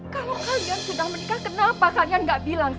kalo kalian sudah menikah kenapa kalian gak bilang